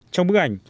trong bức ảnh